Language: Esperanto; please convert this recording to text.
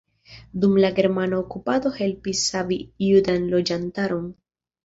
Dum la germana okupado helpis savi judan loĝantaron.